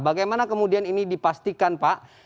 bagaimana kemudian ini dipastikan pak